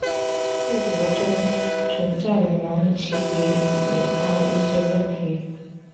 部活中存在的男女区别已引发了一些问题。